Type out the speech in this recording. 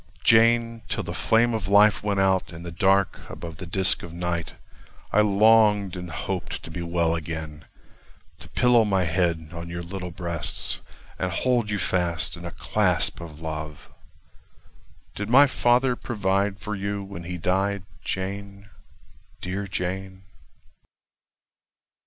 Jane, till the flame of life went out In the dark above the disk of night I longed and hoped to be well again To pillow my head on your little breasts, And hold you fast in a clasp of love— Did my father provide for you when he died, Jane, dear Jane?